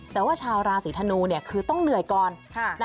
แต่ว่าชาวราศีธนูคือต้องเหนื่อยก่อน